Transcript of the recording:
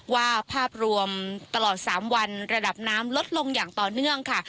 ว่าภาพรวมตลอด๓วันระดับน้ำลดลงอย่างต่อเนื่องค่ะ